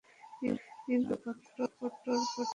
কিন্তু কথা পটর পটর বলে।